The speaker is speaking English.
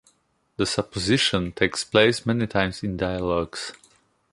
The “supposition” takes place many times in dialogues.